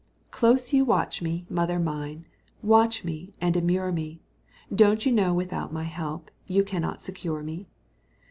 Close you watch me, mother mine, Watch me, and immure me: Don't you know without my help You can not secure me?